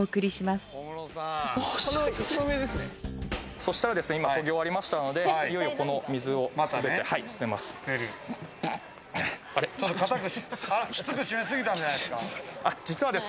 そしたら今、研ぎ終わりましたので、この水をすべて捨てます。